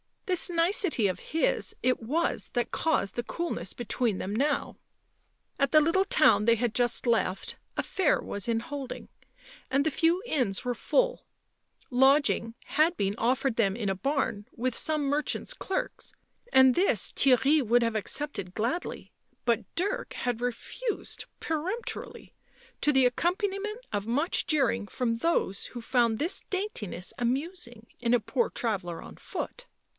This nicety of his it was that caused the coolness between them now. At the little town they had just left a fair was in holding, and the few inns were full ; lodging had been offered them in a barn with some merchants' clerks, and this Theirry would have accepted gladly, but Dirk had refused peremptorily, to the accompaniment of much jeering from those who found this daintiness amusing in a poor traveller on foot.